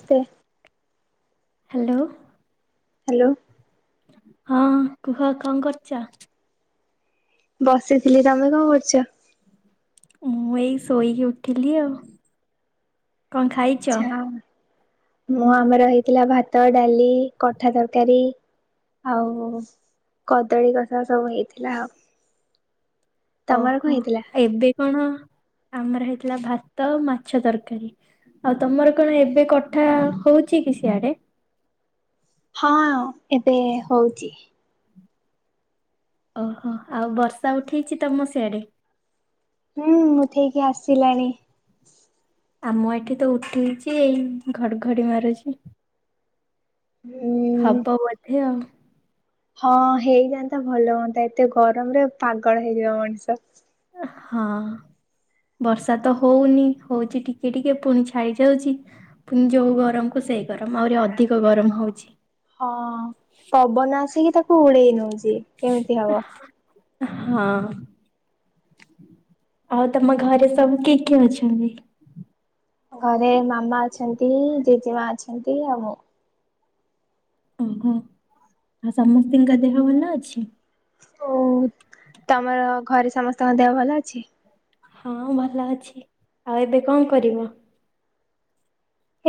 ନସ୍ସ୍ତେ hello hello ହଁ କୁହ କଣ କରୁଛ ବସିଥିଲି ତମେ କଣ କରୁଚ? ମୁଁ ଏଇ ଶୋଇକି ଉଠିଲି ଆଉ କଣ ଖାଇଚ? ଆଛା ମୁଁ ଆମର ହେଇଥିଲା ଭାତ, ଡାଲି, କଠା ତରକାରୀ ଆଉ କଦଳୀ କଷା ସବୁ ହେଇଥିଲା ଆଉ। ତମର କଣ ଓହୋ ହେଇଥିଲା? ଏବେ କଣ? ଆମର ହେଇଥିଲା ଭାତ ମାଛ ତରକାରୀ ଆଉ ତମର କଣ ଏବେ କଠା ହଉଛି କି ସିଆଡେ? ହଁ ଏବେ ହଉଚି। ଓହୋ ଆଉ ବର୍ଷା ଉଠେଇଚି ତମ ସିଆଡେ। ହୁଁ ମୁଠେଇକି ଆସିଲାଣି। ଆମ ଏଠିତ ଉଠେଚି ଏଇ ଘଡଘଡି ମାରୁଛି। ହୁଁ ହବ ବୋଧେଆଉ ହଁ ହେଇଯାଆନ୍ତା ଭଲ ହୁଅନ୍ତା ଏତେ ଗରମରେ ପାଗଳ ହେଇଯିବ ମଣିଷ। ହଁ ବର୍ଷାତ ହଉନି ହଉଚି ଟିକେଟିକେ ପୁଣି ଛାଡି ଯାଉଚି ପୁଣି ଯୋଉ ଗରମକୁ ସେଇ ଗରମ ଆହୁରି ଅଧିକ ଗରମ ହଉଚି। ହଁ ପବନ ଆସିକି ତାକୁ ଉଡ଼େଇ ନଉଚି କେମିତି ହବ? ହଁ ଆଉ ତମ ଘରେ ସବୁ କିଏ କିଏ ଅଛନ୍ତି? ଘରେ ମାମା ଅଛନ୍ତି ଜେଜେମା ଅଛନ୍ତି ଆଉ ମୁଁ। ଓହୋ ଆଉ ସମସ୍ତିଙ୍କ ଦେହ ଭଲ ଅଛି? ଓ ତମର ଘରେ ସମସ୍ତଙ୍କ ଦେହ ଭଲ ଅଛି? ହଁ ଭଲ ଅଛି ଆଉ ଏବେ କଣ କରିବ?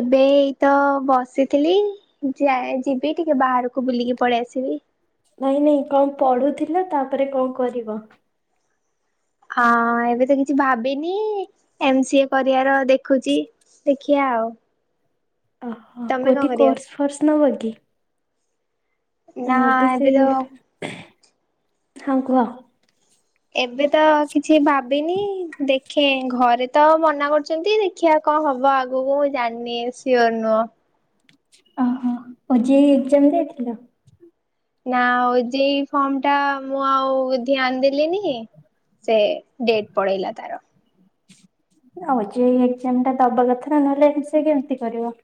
ଏବେ ଏଇତ ବସିଥିଲି ଯ ଯିବି ଟିକେ ବାହାରକୁ ବୁଲିକି ପଳେଇ ଆସିବି। ନାଇଁ ନାଇଁ କଣ ପଢୁଥିଲ ତାପରେ କଣ କରିବ? ହଁ ଏବେତ କିଛି ଭାବିନି ଏମ ସି ଏ କରିବାର ଦେଖୁଛି ଦେଖିବା ଆଉ ଓହୋ ତମେ କଣ କୋଠି କରିବ? କୋର୍ସ ଫୋର୍ସ ନବ କିି? ନା ଏବେ ତ ହଁ କୁହ ଏବେତ କିଛି ଭାବିନି ଦେଖେ ଘରେତ ମନା କରୁଛନ୍ତି ଦେଖିବା କଣ ହବ ଆଗକୁ ମୁଁ ଜାଣିନି ସିଓର ନୁହଁ। ଓହୋ ଓଜେଇ ଏକ୍ସଜାମ ଦେଇଥିଲ। ନାଁ ଓଜେଇ ଫର୍ମଟା ମୁଁ ଆଉ ଧ୍ୟାନ ଦେଲିିନି ସେ ଡେଟ ପଳେଇଲା ତାର। ହଉ ଓଜେଇ ଏକ୍ଜାମ ଟା ଦବା କଥା ନା ନହେଲେ ସେ କେମିତି କରିବ।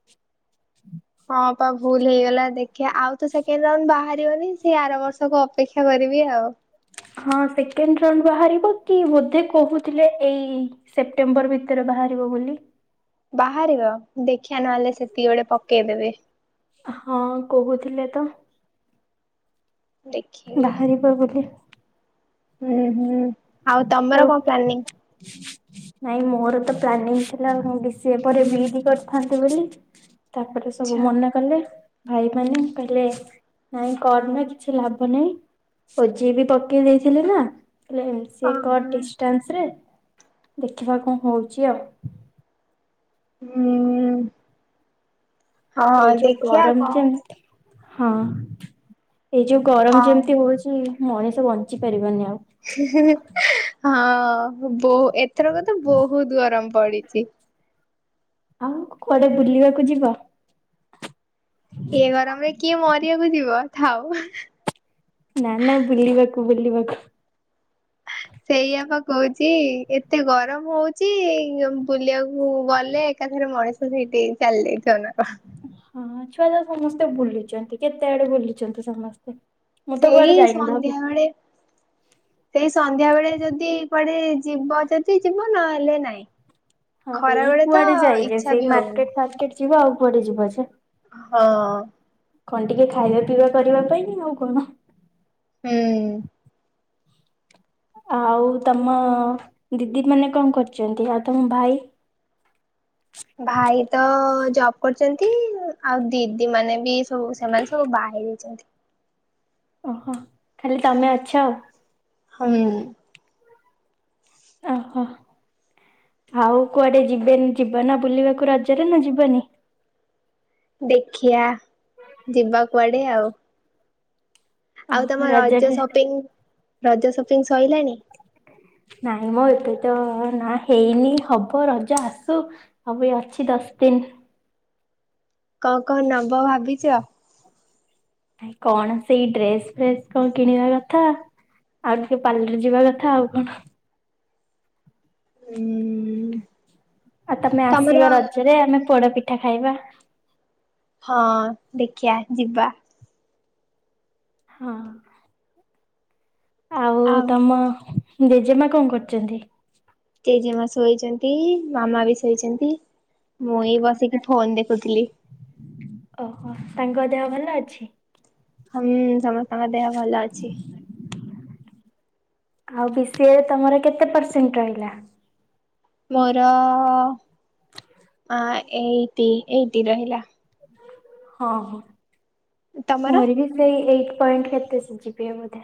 ହଁପା ଭୁଲ ହେଇଗଲା ଦେଖିବା ଆଉତ ସେକେଣ୍ଡ ରାଉଣ୍ଡ ବାହାରିବନି ସେ ଆର ବର୍ଷକୁ ଅପେକ୍ଷା କରିବି ଆଉ। ହଁ ସେକେଣ୍ଡ ରାଉଣ୍ଡ ବାହାରିବ କି ବୋଧେ କହୁଥିଲେ ଏଇ ସେପ୍ଟେମ୍ବର ଭିତରେ ବାହାରିବ ବୋଲି। ବାହାରିବ ଦେଖିିଆ ନହେଲେ ସେତିକି ବେଳେ ପକେଇଦେବି। ହଁ କହୁଥିଲେ ତ। ଦେଖିବି। ବାହାରିବ ବୋଲି ହୁଁ ହୁଁ ଆଉ ତମର କଣ ପ୍ଲାନିଂ ନାଇଁ ମୋର ତ ପ୍ଲାନିଂ ଥିଲା ବି ସିଏ ପରେ ବିଇଡି କରିଥାନ୍ତ ବୋଲି। ତାପରେ ସବୁ ଆଛା ମନା କଲେ। ଭାଇ ମାନ କହିଲେ ନାଇଁ କରନି ବା କିଛି ଲାଭ ନାହିଁ ଓଜେଇ ବି ପକେଇ ଦେଇଥିଲେ ନା ହେଲେ ସେ କଟ ଓହୋ। ଡିଷ୍ଟାନ୍ସରେ ଦେଖିବା କଣ ହଉଛି ଆଉ। ହୁଁ ଉଁ ଏଇ ହଁ ଯୋଉ ଦେଖିବା ଗରମ କଣ ଯେମତି ହଁ ଏଇ ଯୋଉ ଗରମ ଯେମିତି ହଉଛି ମଣିଷ ବଞ୍ଚି ପାରିବନି ଆଉ। ହୁଁ ହୁଁ ହଁ ବହୁ ଏ ଏଥରକ ତ ବହୁତ ଗରମ ପଡିଛି। ଆଉ କୁଆଡେ ବୁଲିବାକୁ ଯିବ? ଏ ଗରମରେ କିଏ ମରିବାକୁ ଯିବଥାଉ ନାନା ବୁଲିବାକୁ ବୁଲିବାକୁ ସେଇଆାପା କହୁଛି ଏତେ ଗରମ ହଉଚି ବୁଲିବାକୁ ଗଲେ ଏକାଥରେ ମଣିଷ ସେଇଠି ଚାଲିଯାଇଥାନ୍ତା। ହଁ ଛୁଆ ଯ ସମସ୍ତେ କେତେ ବୁଲିଛନ୍ତି କେତେ ଆଡେ ବୁଲିଛନ୍ତି ସମସ୍ତେ। ମୁଁ ତ ସେଇ କୁଆଡେ ଯାଇନି ଭାବୁ ସନ୍ଧ୍ୟା ବେଳେ ସେଇ ସନ୍ଧ୍ୟା ବେଳେ ଯଦି କୁଆଡେ ଯିବ ଯଦି ଯିବ ନହେଲେ ନାଇଁ ହ [inaudible] ହଁ ଏଇ କୁଆଡେ ଯାଇ ଯେେ ସେଇ ବି ହଉନି ମାର୍କେଟ ଫାର୍କେଟ ଯିବା ଆଉ କୁଆଡେ ଯିବ ଯେ ହଁ କଣ ଟିକେ ଖାଇବା ପିଇବା କରିବା ପାଇଁ ଆଉ କଣ। ହୁଁ ଉଁ ଆଉ ତମ ଦିଦି ମାନେ କଣ କରୁଛନ୍ତି ଆଉ ତମ ଭାଇ? ଭାଇ ତ ଜବ କରୁଛନ୍ତି ଆଉ ଦିଦି ମାନେ ବି ସବୁ ସେମାନେ ସବୁ ବାହା ହେଇଯାଇଛନ୍ତି। ଓହୋ ଖାଲି ତମେ ଅଛ ଆଉ। ହଁ। ଓହୋ ଆଉ କୁଆଡେ ଯିବେନି ଯିବ ନା ବୁଲିବାକୁ ରଜରେ ନା ଯିବନି। ଦେଖିଆ ଯିବା କୁଆଡେ ଆଉ। ଆଉ ଓହୋ ତମ ରଜ ରଜରେ ସପିଂ ରଜ ସ ନାଇଁ ମଁ ଏପ ତ ନା ହେଇନି ହବ ରଜ ଆସୁ ହବେ ଅଛି ଦଶ ଦିନ। କଣ କଣ ନବ ଭାବିଛ? କଣ ସେଇ ଡ୍ରେସ ଫ୍ରେସ କଣ କିଣିବା କଥା ଆଉ ଟିକେ ପାର୍ଲରରେ ଯିବା କଥା ଆଉ କଣ? ଉଁ ଆଉ ତମେ ତମର ଆସିବ ରଜରେ ଆମେ ପୋଡପି ପିଠା ଖାଇବା। ହଁ ଦେଖିବା ଯିବା। ହଁ। ଆଉ ତମ ଜେଜେମା କଣ କରୁଛନ୍ତି? ଜେଜେମା ଶୋଇଛନ୍ତି ମାମା ବି ଶୋଇଛନ୍ତି। ମୁଇ ବସିକି ଫୋନ ଦେଖୁଥିଲି। ଓହୋ ତାଙ୍କ ଦେହ ଭଲ ଅଛି। ହୁଁ ସମସ୍ତେ ତମ ଦେହ ଭଲ ଅଛି। ଆଉ ବି ଶି ଏ ରେ ତମର କେତେ ପରସେଣ୍ଟ ରହିଲା? ମୋର ଅ ଏଇଟି ଏଇଟି ରହିଲା। ହଁ ହଁ। ତମର? ମୋରି ବି ସେଇ ଏଇ ପଏଣ୍ଟ କେତେ ଜିପି ବୋଧେ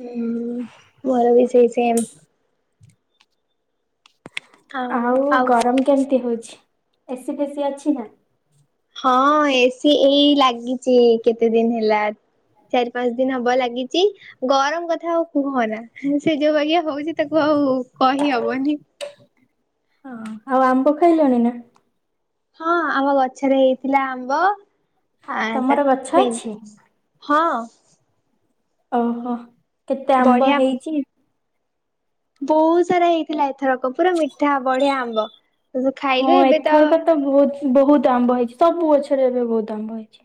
ହଁ ମର ବି ସେଇ ସେମ୍। ଆଉ ଗରମ କେମତି ହଉଛି? ଏସି ଫେସିି ଅଛି ନା। ହଁ ଏ ସି ଏଇ ଲାଗି କେତେ ଦିନ ହେଲା ଚାରି ପାଞ୍ଚ ଦିନ ହବ ଲାଗିଛି ଗରମ କଥା ହଉ କୁହନା ସେ ଯୋଉ ବାଗିଆ ହଉଛି ତାକୁ ଆଉ କହିହବନି। ହଁ ଆଉ ଆମ୍ବ ଖାଇଲାଣି ନା। ହଁ ଆମ ଗଛରେ ହେଇଥିଲା ଆମ୍ବ ଆ ତମର ଗଛ ତାକୁ ଅଛି? ହଁ ଓହୋ କେତେ ଆମ୍ବ ବଢିଆ ହେଇଛି ବହୁତ ସାରା ହେଇଥିଲା ଏ ଥରକ ପୁରା ମିଠା ବଢିଆ ବା ହଁ ଏଥରକ ତ ବହୁତ ବହୁତ ଆମ୍ବ ହେଇଛି ସବୁ ଗଛରେ ଏବେ ବହୁତ ଆମ୍ବ ହେଇଛି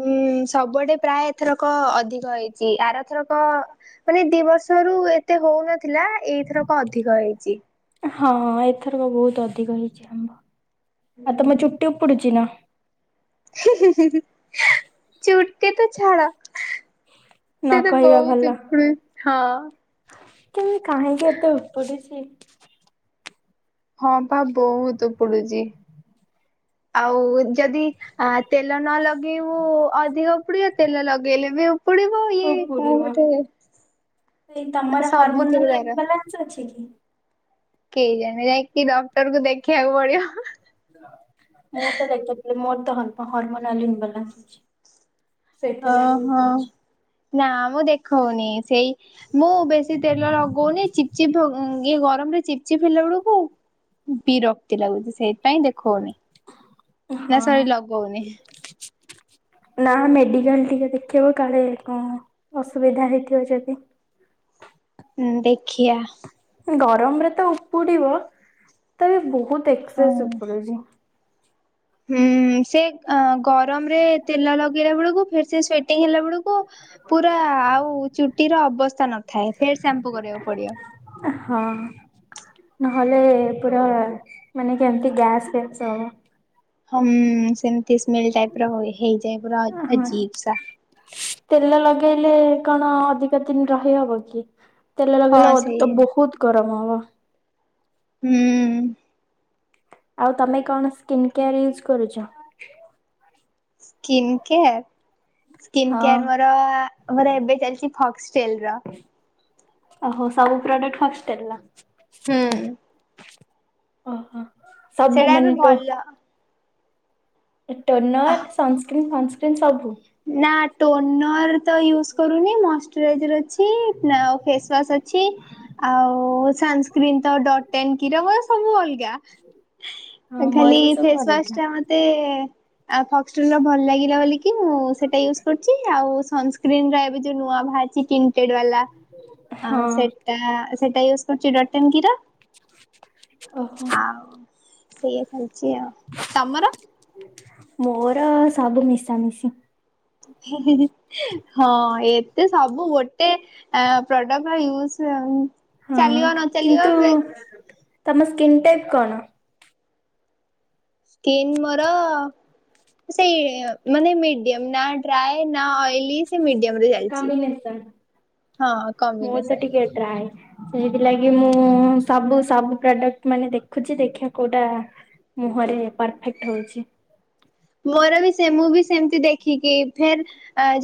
ହୁଁ ସବୁଆଡେ ପ୍ରାୟ ଏଥରକ ଅଧିକ ହେଇଛି ଆରଥରକ ମାନେ ଦି ବର୍ଷରୁ ଏତେ ହଉନଥିଲା ଥିଲା ଏଇଥରକ ଅଧିକ ହେଇଛି ହଁ ଏଥରକ ବହୁତ ଅଧିକ ହେଇଛି ଆମ୍ବ ଆତ ତମ ଚୁଟଉପଡୁଛି ନା ହ ଆ ଉଠ ତ ଝାଡ଼ା ନ ସେ ତ କହିବା ବହୁତ ଭଲ। ହଁ ତ କାହିଁକି ଏତେ ଉପୁଡିଛି ହଁ ପା ବହୁତ ଉପୁଡୁଛି ଆଉ ଯଦି ତେଲ ନ ଲଗେଇବୁ ଅଧିକ ଉପୁଡିବ ତେଲ ଲଗେଇଲେ ବି ଆଉ ହ ପୁରୀିବଇ ତମର ସବୁଥିରେ ହାର୍ମୋନଲାନ୍ସ ଅଛି ିକି କେହି ଜାଣେ ଯାଇକି ଡକ୍ଟର କୁ ଦେଖିବାକୁ ପଡିବ ମୁଁ ତ ଦେଖୁଥିଲି ମୋର ତ ହରମୋନାଲି ବାଲା ଅଛି ସେଥିଲାଗି ଓହୋ ଉପୁଡୁଛି ନା ମୁଁ ଦେଖ ହଉନି ସେଇ ମୁଁ ବେଶୀ ତେଲ ଲଗଉନି ଚିପ୍ ଚିପ୍ ଇଏ ଗରମ ରେ ଚିପଚିପିଲା ବେଳକୁ ବିରକ୍ତି ଲାଗୁଛି ସେଇଥିପାଇଁ ଦେଖଉନି ନା ହଁ। ସାର ଲଗହୁନି ନା ମେଡିକାଲ ଟିକେ ଦେଖେଇବ କାଳେ କଣ ଅସୁବିଧା ହେଇଥିବ ଯଦି ହଁ ଦେଖିଆ ଗରମରେ ତ ଉପୁଡିବ ତବେ ବହୁତ ଟେକ୍ସ ସୁପଡ଼ଛି ହୁଁ ସେ ଅ ଗରମ ରେ ତେଲ ଲଗେଇଲା ବେଳକୁ ଫେ ସେ ଟି ହେଲା ବେଳକୁ ପୁରା ଆଉ ଚୁଟିର ଅବସ୍ଥା ନଥାଏ ଫେରେ ସାମ୍ପୁ କରିବାକୁ ପଡିବ ହଁ ନହେଲେ ପୁରୁରା ମାନେ କେମିତି ଗ୍ୟାସ୍ ହବ ହଁ ସେମତି ହିଁ ସେମିତି ସ୍ମେଲ ଟାଇପ ର ହେଇ ଯାଏ ପୁରା ହେଇଯାଏ ପୁରା ହଁ। ଅଜୀବସା ତେଲ ଲଗେଇଲେ କଣ ଅଧିକ ଦିନ ରହି ହବ କି? ତେଲ ହଁ ସେଇ ଲଗିଲଲେ ବହୁତ ଗରମ ହ [unintelligible] ହୁଁ ଆଉ ତମେ କଣ ସ୍କିନ୍ କେୟାର ୟୁଜ୍ କରୁଛ? ସ୍କିନ୍ କେୟାର ସ୍କିନ୍ ହଁ କେୟାର ମୋର ମୋର ଏବେ ଚାଲିଛି ଫକ୍ସ ସେଲରା ଓହୋ ସବୁ ପ୍ରଡକ୍ଟ ଫକ୍ସ ଟେଲ୍ ର ହୁଁ ଓ ହ ସେଟା ଆମେ ଭଲ ଟୋନର ସନ୍ସ୍କ୍ରିନ ଫଂସ୍କ୍ରିନ [unintelligible] ସବୁ ନା ଟୋନର ତ ୟୁଜ୍ କରୁନି ମ ଟ୍ରେଜ ର ଅଛି ଆଉ ଫେଶ୍ଵାଶ ଅଛି, ଆଉ-ଉ-ଉ-ଉ ସଂସ୍କ୍ରି ନ ତ ଡ଼ଟ୍ ନ କି ର ସବୁ ଅଲଗା। ହଁ ମୋର ଖାଲି ବି ସବୁ ଅଲଗା। ଫେଶ୍ଵାଶଟା ମୋତେ-ଏ-ଏ ଆଉ ଫୋକ୍ସ ଟୁଲ ର ଭଲ ଲାଗିଲା ବୋଲି କି ମୁଁ ସେଇଟା ୟୁଜ୍ କରୁଛି। ଆଉ ସନସ୍କ୍ରିିନରେ ଏବେ ଯୋଉ ନୂଆ ବାହାରିଛି କି କୀଟ ବାଲା ହଁ ସେଟା ସେଟା ୟୁଜ୍ କରୁଚି ଡଟ୍ ଇନ୍ କି ର। ଓହୋ। ଆଉ ସେଇଆ ଚାଲିଛି ଆଉ। ତମର? ମୋର ସବୁ ମିଶାମିଶି। ହି-ହି-ହି ହଁ ଏତେ ସବୁ ଗୋଟେ ପ୍ରଡକ୍ଟ ୟୁଜ୍ ହଁ ଚାଲିବ ନ ଚାଲିବ କିନ୍ତୁ ଏବେ ତମ ସ୍କିନ୍ ଟାଇପ୍ କଣ? ସ୍କିନ ମୋର ସେଇ ମାନେ ମିଡିୟମ ନା ଡ୍ରାଏ ଅଇଲି ସେ ମିଡିୟମ୍ ରେ ଚାଲିଚି। କମ୍ବିନେସନ୍ ହଁ ମୋର ତ କମ୍ୱିନେସନ ଟିକେ ଡ୍ରାଏ। ସେଇଥିଲାଗି ମୁଁ ସବୁ ସବୁ ପ୍ରଡକ୍ଟ ମାନେ ଦେଖୁଛି ଦେଖିବା କୋଉଟା ମୁହଁରେ ପରଫେକ୍ଟ ହଉଛି। ମୋର ବି ସେ ମୁଁ ବି ସେମତି ଦେଖିକି ଫେର୍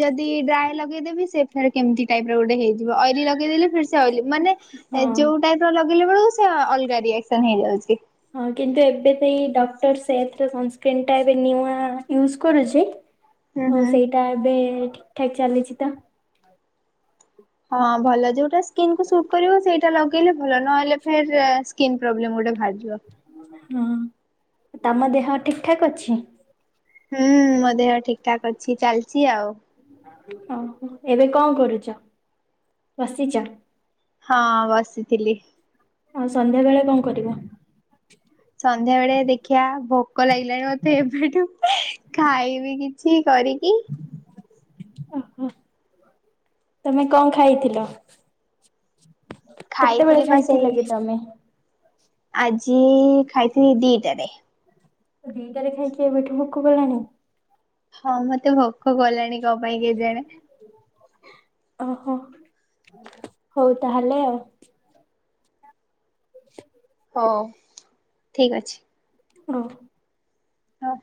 ଯଦି ଡ୍ରାଏ ହେଲା ଦେବି ସେ ଫେରି କେମତି ଟାଇପ୍ ର ଗୋଟେ ଅଇଲି ଲଗେଇଦେଲି ଫିର ସେ ଅଇଲି ମାନେ ହଁ। ଯୋଉ ଟାଇପ ର ଲ ବେଳକୁ ସେ ଅଲଗା ରିଏକ୍ସନ ହେଇଯାଉଛି ହଁ କିନ୍ତୁ ଏବେ ସେଇ ଡକ୍ଟର ସେ ସକ୍ର ଟା ଏବେ ନଆ ୟୁଜ କରୁଛି ହୁଁ ହଁ ହୁଁ। ସେଇଟା ଏବେ ଠିକ ଠାକ ଚାଲିଛି ତ ହଁ ଭଲ ଯୋଉଟା ସ୍କକୁ ସୁଟ୍ କରିବୁ ସେଇଟା ଲଗେଇଲେ ଭଲ ନହେଲେ ଫ ସ୍ନ୍ ପ୍ରବଲେ ଗୋଟେ ଜା ହଁ ତମ ଦେହ ଠିକ ଠାକ ଅଛି ହୁଁ ମୋ ଦେହ ଠିକ ଠାକ ଅଛି ଚାଲିଛି ଆଉ ଓୋ ଏବେ କଣ କରୁଛ ବସିଛ ହଁ ବାସିଥିଲି ଆଉ ସନ୍ଧ୍ୟା ବେଳେ କଣ କରିବ ସନ୍ଧ୍ୟା ବେଳେ ଦେଖିବା ଭ ଭୋକ ଲାଗିଲାଣି ମତେ ଏବେଠୁ ଖାଇବି କିଛି କରି କି ଓହୋ ତମେ କଣ ଖାଇଥିଲ ଖାଇଥିଲି କେତେବେଳେ ପା ସେଇ ଖାଇଥିଲା କି ତମେ ଆଜି ଖାଇଥିଲ ଦିଦଲେ ଦିଇଟାରେ ଖାଇକି ଏବେଠୁ ଭୋକ ଗଲାଣି ହଁ ମତେ ଭଉ ଓହୋ ହଉ ତାହେଲେ ଆଉ ହ ଠିକ ଅଛି ହ ହଁ